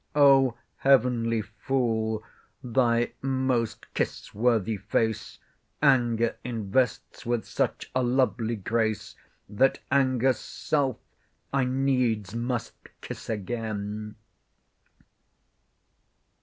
O heav'nly Fool, thy most kiss worthy face Anger invests with such a lovely grace, That anger's self I needs must kiss again.